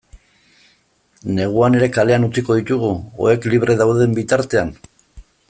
Neguan ere kalean utziko ditugu, oheak libre dauden bitartean?